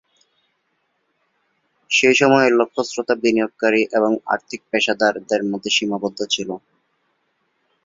সেই সময়ে এর লক্ষ্য শ্রোতা "বিনিয়োগকারী এবং আর্থিক পেশাদারদের" মধ্যে সীমাবদ্ধ ছিল।